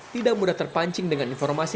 tidak mudah terpancing dengan informasi